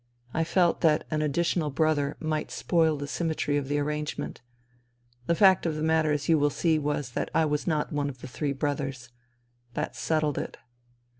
I felt that an additional " brother " might spoil the symmetry of the arrangement. The fact of the matter, as you will see, was that I was not one of the '' three brothers." That settled it.